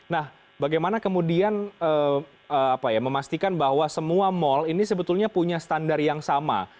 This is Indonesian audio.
nah bagaimana kemudian memastikan bahwa semua mal ini sebetulnya punya standar yang sama